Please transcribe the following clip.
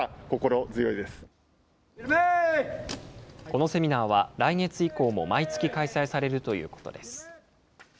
このセミナーは、来月以降も毎月開催されるということです。